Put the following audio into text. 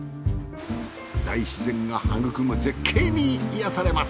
大自然が育む絶景に癒やされます。